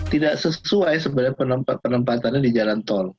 tidak sesuai sebenarnya penempatannya di jalan tol